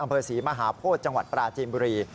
อำเภอศรีมหาโพธิจังหวัดปราจีนบุรี